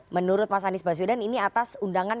menurut mas anies baswedan ini atas undangan